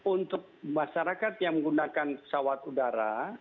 untuk masyarakat yang menggunakan pesawat udara